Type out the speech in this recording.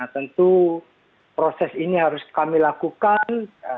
tentu proses ini harus kami lakukan